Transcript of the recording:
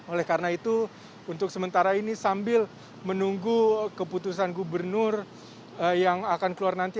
oleh karena itu untuk sementara ini sambil menunggu keputusan gubernur yang akan keluar nanti